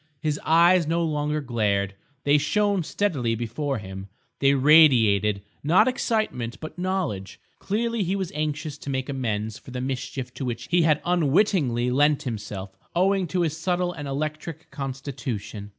His eyes no longer glared; they shone steadily before him, they radiated, not excitement, but knowledge. Clearly he was anxious to make amends for the mischief to which he had unwittingly lent himself owing to his subtle and electric constitution.